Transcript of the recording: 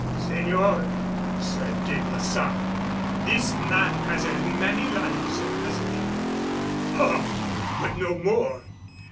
"Señor," said De Baçan, "this man has as many lives as a cat." "Ah! But no more!